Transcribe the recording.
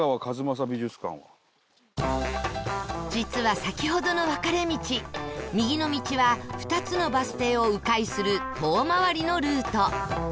実は先ほどの分かれ道右の道は２つのバス停を迂回する遠回りのルート